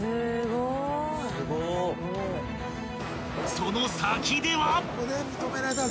［その先では］